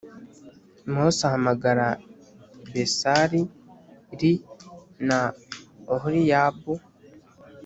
Mose ahamagara Besal li na Oholiyabu